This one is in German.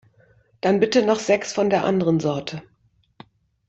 Dann bitte noch sechs von der anderen Sorte.